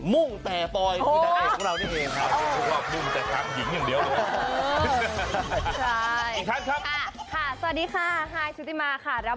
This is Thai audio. ไม่ได้กัดค่ะก็คือไม่เคยพูดจำนี่สี่ครับ